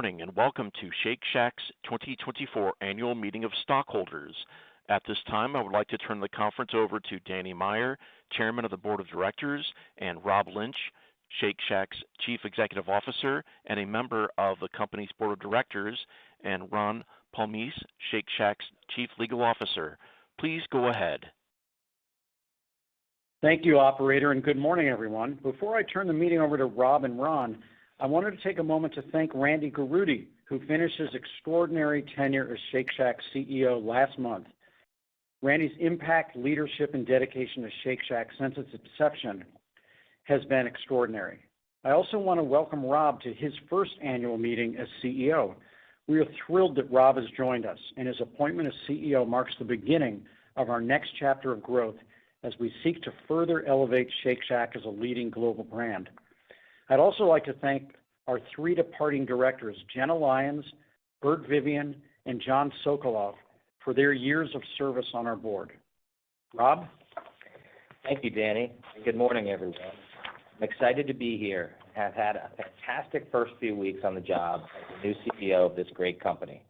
Good morning, and welcome to Shake Shack's 2024 Annual Meeting of Stockholders. At this time, I would like to turn the conference over to Danny Meyer, Chairman of the Board of Directors, and Rob Lynch, Shake Shack's Chief Executive Officer, and a member of the company's Board of Directors, and Ron Palmese, Shake Shack's Chief Legal Officer. Please go ahead. Thank you, operator, and good morning, everyone. Before I turn the meeting over to Rob and Ron, I wanted to take a moment to thank Randy Garutti, who finished his extraordinary tenure as Shake Shack's CEO last month. Randy's impact, leadership, and dedication to Shake Shack since its inception has been extraordinary. I also want to welcome Rob to his first annual meeting as CEO. We are thrilled that Rob has joined us, and his appointment as CEO marks the beginning of our next chapter of growth as we seek to further elevate Shake Shack as a leading global brand. I'd also like to thank our three departing directors, Jenna Lyons, Robert Viviano, and Jonathan Sokoloff, for their years of service on our board. Rob? Thank you, Danny, and good morning, everyone. I'm excited to be here. I've had a fantastic first few weeks on the job as the new CEO of this great company.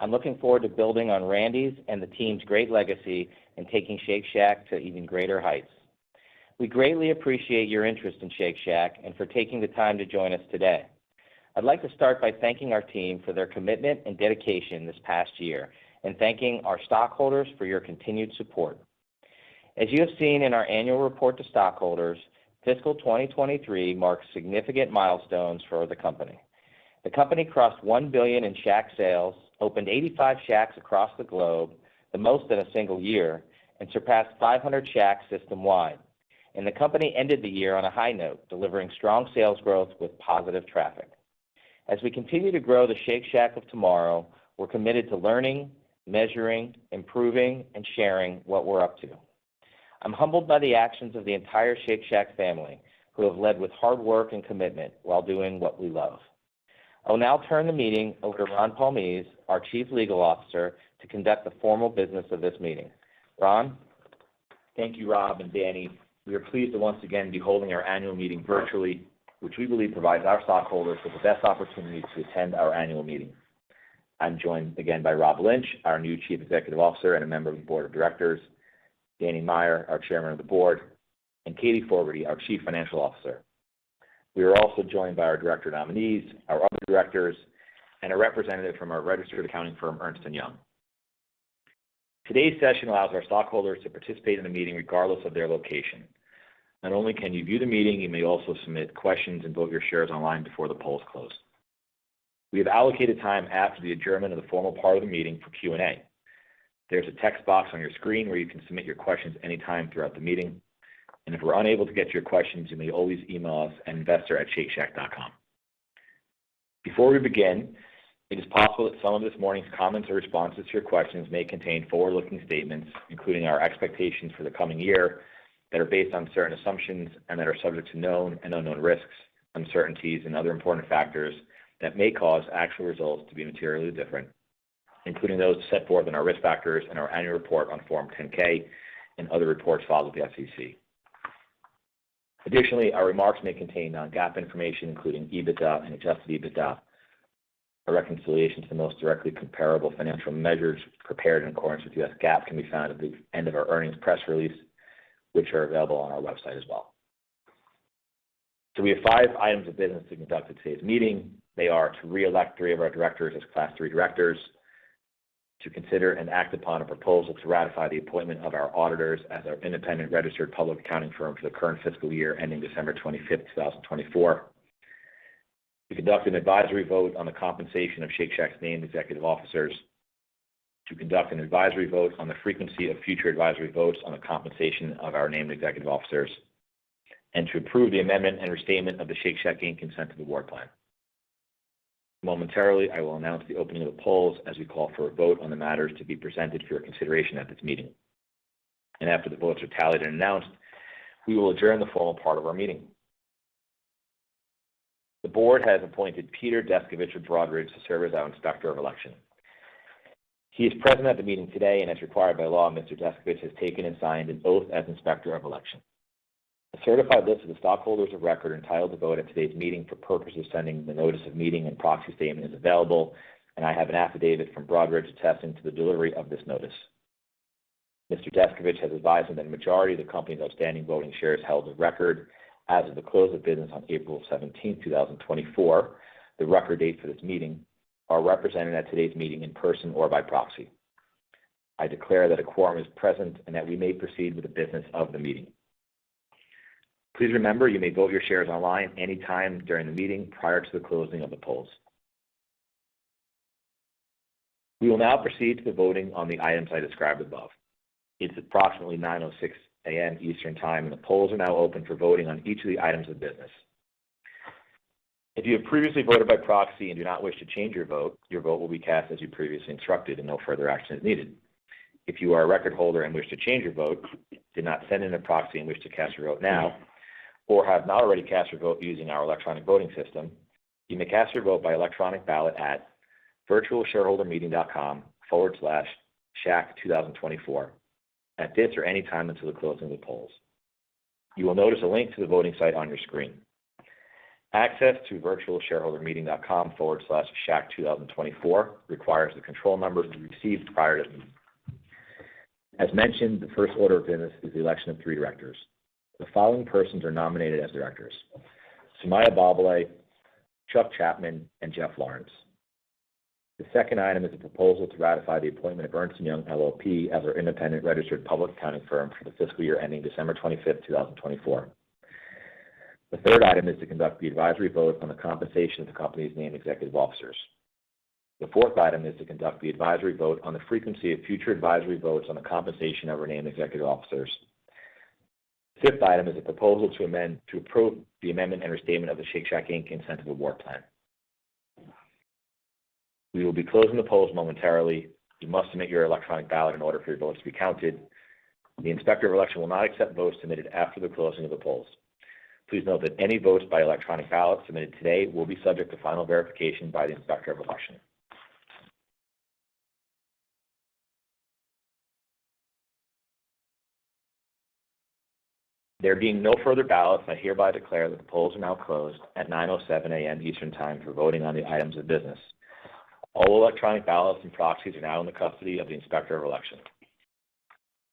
I'm looking forward to building on Randy's and the team's great legacy and taking Shake Shack to even greater heights. We greatly appreciate your interest in Shake Shack and for taking the time to join us today. I'd like to start by thanking our team for their commitment and dedication this past year, and thanking our stockholders for your continued support. As you have seen in our annual report to stockholders, fiscal 2023 marks significant milestones for the company. The company crossed $1 billion in Shack sales, opened 85 Shacks across the globe, the most in a single year, and surpassed 500 Shacks system-wide. The company ended the year on a high note, delivering strong sales growth with positive traffic. As we continue to grow the Shake Shack of tomorrow, we're committed to learning, measuring, improving, and sharing what we're up to. I'm humbled by the actions of the entire Shake Shack family, who have led with hard work and commitment while doing what we love. I will now turn the meeting over to Ron Palmese, our Chief Legal Officer, to conduct the formal business of this meeting. Ron? Thank you, Rob and Danny. We are pleased to once again be holding our annual meeting virtually, which we believe provides our stockholders with the best opportunity to attend our annual meeting. I'm joined again by Rob Lynch, our new Chief Executive Officer and a member of the Board of Directors, Danny Meyer, our Chairman of the Board, and Katie Fogertey, our Chief Financial Officer. We are also joined by our director nominees, our other directors, and a representative from our registered accounting firm, Ernst & Young. Today's session allows our stockholders to participate in the meeting regardless of their location. Not only can you view the meeting, you may also submit questions and vote your shares online before the polls close. We have allocated time after the adjournment of the formal part of the meeting for Q&A. There's a text box on your screen where you can submit your questions anytime throughout the meeting, and if we're unable to get to your questions, you may always email us at investor@shakeshack.com. Before we begin, it is possible that some of this morning's comments or responses to your questions may contain forward-looking statements, including our expectations for the coming year, that are based on certain assumptions and that are subject to known and unknown risks, uncertainties, and other important factors that may cause actual results to be materially different, including those set forth in our risk factors in our annual report on Form 10-K and other reports filed with the SEC. Additionally, our remarks may contain non-GAAP information, including EBITDA and adjusted EBITDA. A reconciliation to the most directly comparable financial measures prepared in accordance with U.S. GAAP can be found at the end of our earnings press release, which are available on our website as well. So we have five items of business to conduct in today's meeting. They are: to reelect three of our directors as Class III directors, to consider and act upon a proposal to ratify the appointment of our auditors as our independent registered public accounting firm for the current fiscal year, ending December 25th, 2024, to conduct an advisory vote on the compensation of Shake Shack's named executive officers, to conduct an advisory vote on the frequency of future advisory votes on the compensation of our named executive officers, and to approve the amendment and restatement of the Shake Shack Incentive Award Plan. Momentarily, I will announce the opening of the polls as we call for a vote on the matters to be presented for your consideration at this meeting. After the votes are tallied and announced, we will adjourn the formal part of our meeting. The board has appointed Peter Descovich of Broadridge to serve as our Inspector of Election. He is present at the meeting today and as required by law, Mr. Descovich has taken and signed an oath as Inspector of Election. A certified list of the stockholders of record entitled to vote at today's meeting for purposes of sending the notice of meeting and proxy statement is available, and I have an affidavit from Broadridge attesting to the delivery of this notice. Mr. Descovich has advised that the majority of the company's outstanding voting shares held of record as of the close of business on April 17th, 2024, the record date for this meeting, are represented at today's meeting in person or by proxy. I declare that a quorum is present and that we may proceed with the business of the meeting. Please remember, you may vote your shares online anytime during the meeting prior to the closing of the polls. We will now proceed to the voting on the items I described above. It's approximately 9:06 A.M. Eastern Time, and the polls are now open for voting on each of the items of business. If you have previously voted by proxy and do not wish to change your vote, your vote will be cast as you previously instructed and no further action is needed. If you are a record holder and wish to change your vote, did not send in a proxy and wish to cast your vote now, or have not already cast your vote using our electronic voting system, you may cast your vote by electronic ballot at virtualshareholdermeeting.com/shack2024. At this or any time until the closing of the polls. You will notice a link to the voting site on your screen. Access to virtualshareholdermeeting.com/shack2024 requires the control number to be received prior to the meeting. As mentioned, the first order of business is the election of three directors. The following persons are nominated as directors: Sumaiya Balbale, Chuck Chapman and Jeff Lawrence. The second item is a proposal to ratify the appointment of Ernst & Young LLP as our independent registered public accounting firm for the fiscal year ending December 25th, 2024. The third item is to conduct the advisory vote on the compensation of the company's named executive officers. The fourth item is to conduct the advisory vote on the frequency of future advisory votes on the compensation of our named executive officers. Fifth item is a proposal to approve the amendment and restatement of the Shake Shack Inc. Incentive Award Plan. We will be closing the polls momentarily. You must submit your electronic ballot in order for your votes to be counted. The Inspector of Election will not accept votes submitted after the closing of the polls. Please note that any votes by electronic ballot submitted today will be subject to final verification by the Inspector of Election. There being no further ballots, I hereby declare that the polls are now closed at 9:07 A.M. Eastern Time for voting on the items of business. All electronic ballots and proxies are now in the custody of the Inspector of Election.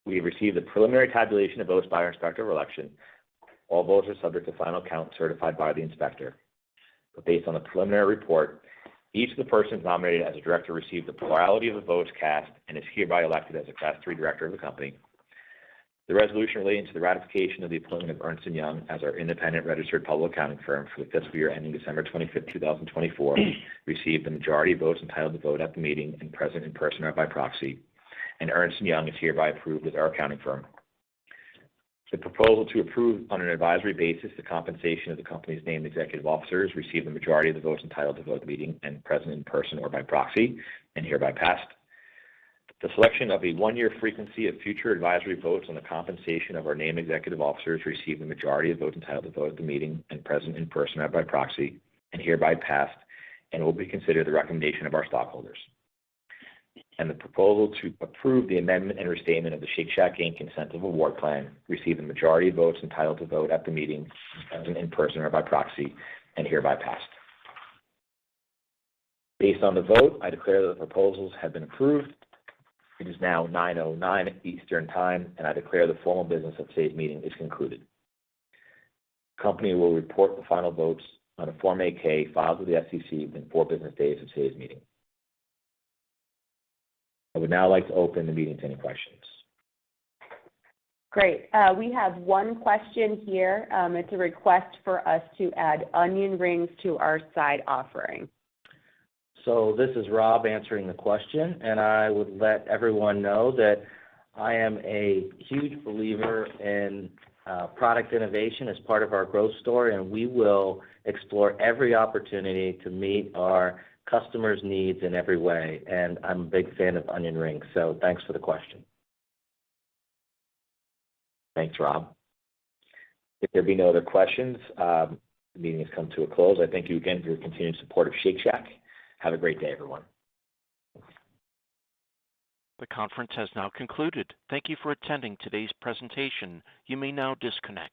We have received a preliminary tabulation of votes by our Inspector of Election. All votes are subject to final count certified by the inspector. But based on the preliminary report, each of the persons nominated as a director received a plurality of the votes cast and is hereby elected as a Class III director of the company. The resolution relating to the ratification of the appointment of Ernst & Young as our independent registered public accounting firm for the fiscal year ending December 25th, 2024, received the majority of votes entitled to vote at the meeting and present in person or by proxy, and Ernst & Young is hereby approved as our accounting firm. The proposal to approve on an advisory basis the compensation of the company's named executive officers received the majority of the votes entitled to vote at the meeting and present in person or by proxy, and hereby passed. The selection of a one-year frequency of future advisory votes on the compensation of our named executive officers received the majority of votes entitled to vote at the meeting and present in person or by proxy, and hereby passed, and will be considered the recommendation of our stockholders. The proposal to approve the amendment and restatement of the Shake Shack Inc. Incentive Award Plan received the majority of votes entitled to vote at the meeting and in person or by proxy, and hereby passed. Based on the vote, I declare that the proposals have been approved. It is now 9:09 A.M. Eastern Time, and I declare the formal business of today's meeting is concluded. The company will report the final votes on a Form 8-K filed with the SEC within four business days of today's meeting. I would now like to open the meeting to any questions. Great. We have one question here. It's a request for us to add onion rings to our side offering. So this is Rob answering the question, and I would let everyone know that I am a huge believer in product innovation as part of our growth story, and we will explore every opportunity to meet our customers' needs in every way. And I'm a big fan of onion rings, so thanks for the question. Thanks, Rob. If there be no other questions, the meeting has come to a close. I thank you again for your continued support of Shake Shack. Have a great day, everyone. The conference has now concluded. Thank you for attending today's presentation. You may now disconnect.